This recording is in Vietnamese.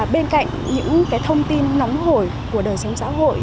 bên cạnh những thông tin nóng hổi của đời sống xã hội